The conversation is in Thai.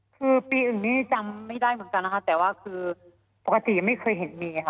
คือปีอื่นนี้จำไม่ได้เหมือนกันนะคะแต่ว่าคือปกติไม่เคยเห็นมีค่ะ